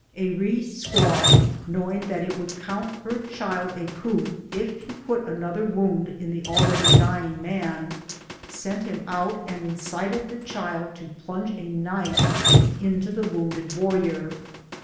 A Eee squaw, knowing that it would count her child "a coup" if he put an 134 BOOTS AND SADDLES. other wound in the already dying man, sent him out and incited the child to plunge a knife into the wound ed warrior.